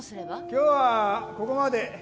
今日はここまで